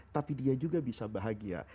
tapi dia juga bisa bahagia